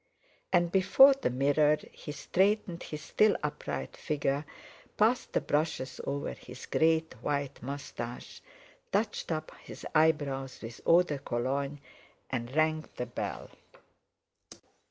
And before the mirror he straightened his still upright figure, passed the brushes over his great white moustache, touched up his eyebrows with eau de Cologne, and rang the bell.